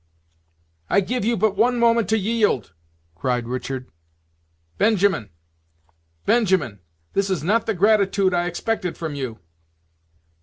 "I give you but one moment to yield," cried Richard. "Benjamin! Benjamin! this is not the gratitude I expected from you."